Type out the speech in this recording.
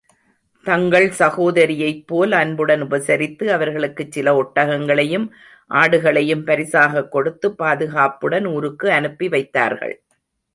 தங்கள் சகோதரியைப் போல் அன்புடன் உபசரித்து, அவர்களுக்குச் சில ஒட்டகங்களையும், ஆடுகளையும் பரிசாகக் கொடுத்து, பாதுகாப்புடன் ஊருக்கு அனுப்பிவைத்தார்கள்.